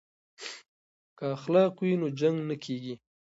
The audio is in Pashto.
که اخلاق وي نو جنګ نه کیږي.